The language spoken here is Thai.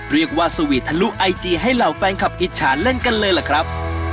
เรียกว่าสวีทะลุไอจีให้เหล่าแฟนคลับอิจฉาเล่นกันเลยล่ะครับ